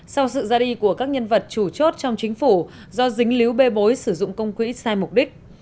sau sự ra đi của các nhân vật chủ chốt trong chính phủ do dính líu bê bối sử dụng công quỹ sai mục đích